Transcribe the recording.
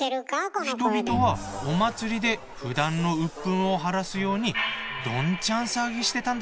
人々はお祭りでふだんの鬱憤を晴らすようにどんちゃん騒ぎしてたんだよね。